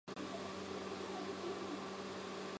朱佑棨于弘治十八年袭封淮王。